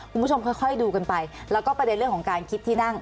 คุณผู้ชมค่อยดูกันไปแล้วก็ประเด็นเรื่องของการคิดที่นั่ง